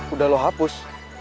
udah lo hapus